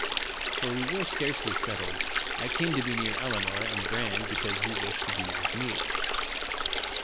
For we were scarcely settled. I came to be near Elinor, and Brande because he wished to be with me.